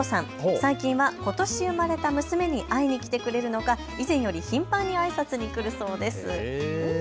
最近はことし生まれた娘に会いに来てくれるのか以前より頻繁にあいさつに来るそうです。